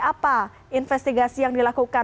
apa investigasi yang dilakukan